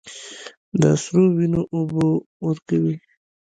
د سرو، وینو اوبه ورکوي